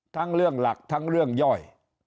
ทั้งเรื่องหลักทั้งเรื่องย่อย